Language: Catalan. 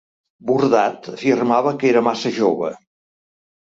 Bordat afirmava que era massa jove.